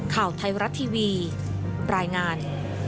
ข่าวไทยรัฐทีวีรายงาน